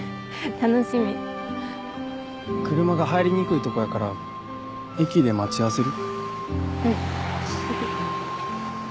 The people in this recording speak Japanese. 楽しみ車が入りにくいとこやから駅で待ち合わせる？